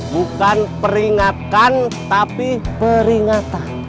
bukan peringatkan tapi peringatan